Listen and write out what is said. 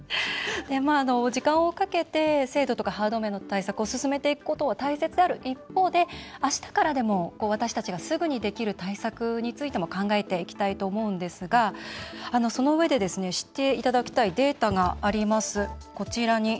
時間をかけて制度とかハード面の対策を進めていくことは大切である一方であしたからでも、私たちがすぐにできる対策についても考えていきたいと思うんですがそのうえで知っていただきたいデータがあります。